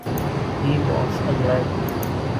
He was a lieut.